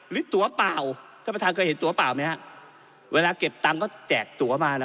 หรือตัวเปล่าท่านประธานเคยเห็นตัวเปล่าไหมฮะเวลาเก็บตังค์ก็แจกตัวมานะ